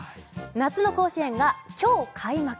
夏の甲子園が今日、開幕。